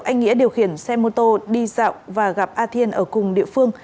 anh nghĩa điều khiển xe mô tô đi dạo và gặp a thiên ở cùng địa phương